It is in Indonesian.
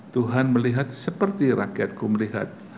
tuhan melihat seperti rakyatku melihat